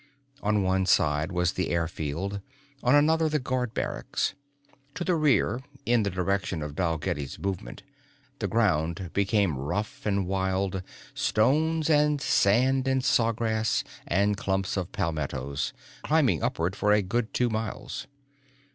On one side was the airfield, on another the guard barracks. To the rear, in the direction of Dalgetty's movement, the ground became rough and wild, stones and sand and saw grass and clumps of palmettos, climbing upward for a good two miles.